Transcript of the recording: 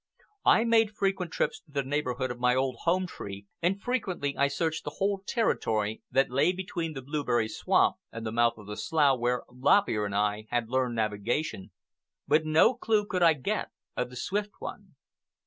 I made frequent trips to the neighborhood of my old home tree, and frequently I searched the whole territory that lay between the blueberry swamp and the mouth of the slough where Lop Ear and I had learned navigation, but no clew could I get of the Swift One.